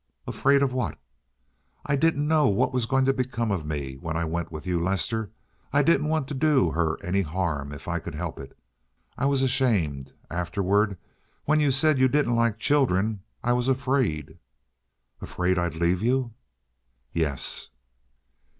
"Afraid of what?" "I didn't know what was going to become of me when I went with you, Lester. I didn't want to do her any harm if I could help it. I was ashamed, afterward; when you said you didn't like children I was afraid." "Afraid I'd leave you?" "Yes."